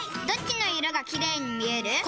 どっちの色がキレイに見える？